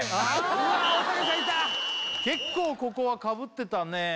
結構ここはかぶってたね